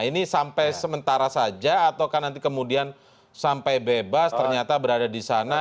ini sampai sementara saja atau kan nanti kemudian sampai bebas ternyata berada di sana